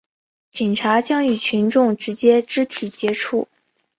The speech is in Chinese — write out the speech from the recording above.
警察将与群众直接肢体接触